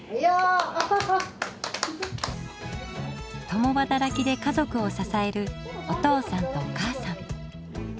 共働きで家族を支えるお父さんとお母さん。